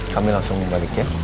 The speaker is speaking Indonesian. kami langsung balik ya